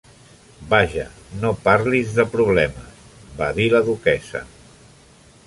"Vaja, no parlis de problemes!" va dir la duquessa.